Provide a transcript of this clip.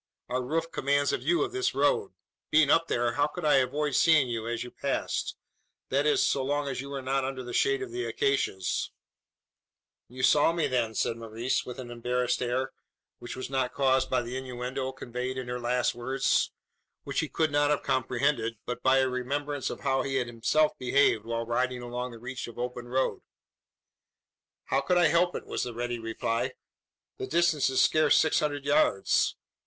Our roof commands a view of this road. Being up there, how could I avoid seeing you as you passed that is, so long as you were not under the shade of the acacias?" "You saw me, then?" said Maurice, with an embarrassed air, which was not caused by the innuendo conveyed in her last words which he could not have comprehended but by a remembrance of how he had himself behaved while riding along the reach of open road. "How could I help it?" was the ready reply. "The distance is scarce six hundred yards.